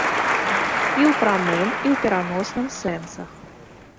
І ў прамым, і ў пераносным сэнсах.